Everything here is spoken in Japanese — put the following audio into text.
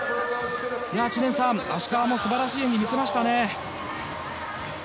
知念さん、芦川も素晴らしい演技を見せましたね。